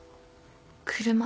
車？